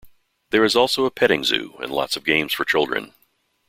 There is also a petting zoo and lots of games for children.